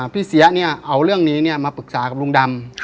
พี่เสียเนี่ยเอาเรื่องนี้เนี่ยมาปรึกษากับลุงดำ